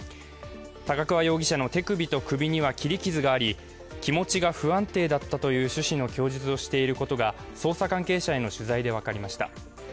高桑容疑者の手首と首には切り傷があり、気持ちが不安定だったという趣旨の供述をしていることが捜査関係者への取材で分かりました。